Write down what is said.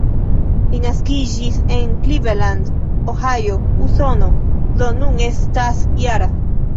Li naskiĝis en Cleveland, Ohio, Usono, do nun estas -jara.